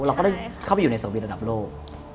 เราก็ได้เข้าไปอยู่ในสวีรร่างกาย